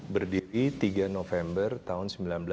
berdiri tiga november tahun seribu sembilan ratus sembilan puluh